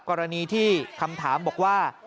กรณีที่คำถามบอกว่า